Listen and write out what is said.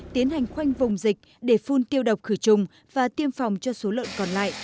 tiến hành khoanh vùng dịch để phun tiêu độc khử trùng và tiêm phòng cho số lợn còn lại